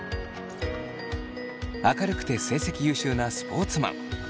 明るくて成績優秀なスポーツマン。